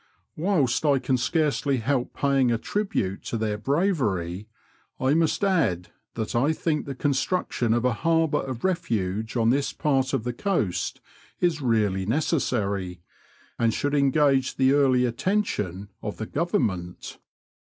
Whilst I can scarcely help paying a tribute to their bravery, I must add that I think the construction of a harbour of refuge on this part of the coast is really necessary, and should engage the early attention of the Qovernment.